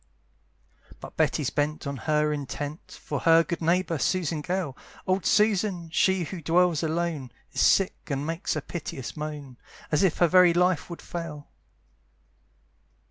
But Betty's bent on her intent, For her good neighbour, Susan Gale, Old Susan, she who dwells alone, Is sick, and makes a piteous moan, As if her very life would fail.